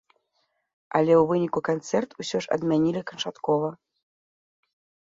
Але ў выніку канцэрт усё ж адмянілі канчаткова.